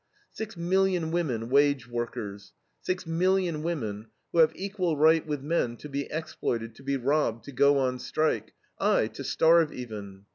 Six million women wage workers; six million women, who have equal right with men to be exploited, to be robbed, to go on strike; aye, to starve even.